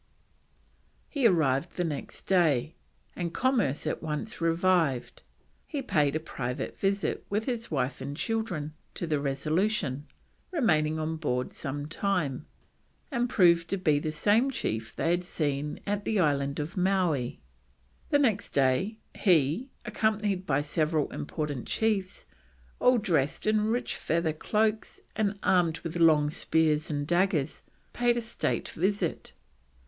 He arrived the next day, and commerce at once revived. He paid a private visit, with his wife and children, to the Resolution, remaining on board some time, and proved to be the same chief they had seen at the Island of Mowee. The next day he, accompanied by several important chiefs, all dressed in rich feather cloaks and armed with long spears and daggers, paid a state visit.